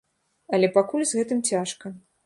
Але пакуль з гэтым цяжка.